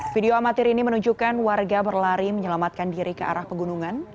video amatir ini menunjukkan warga berlari menyelamatkan diri ke arah pegunungan